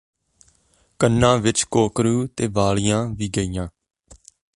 ਕੰਨਾਂ ਵਿਚ ਕੋਕਰੂ ਤੇ ਵਾਲੀਆਂ ਵੀ ਗਈਆਂ